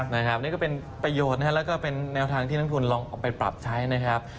นี่ก็เป็นประโยชน์นะครับแล้วก็เป็นแนวทางที่นักทุนลองเอาไปปรับใช้นะครับ